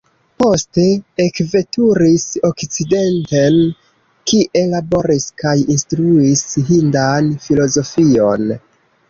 Poste ekveturis okcidenten kie laboris kaj instruis hindan filozofion.